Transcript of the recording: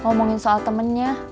ngomongin soal temennya